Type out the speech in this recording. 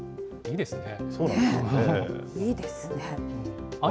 いいですね。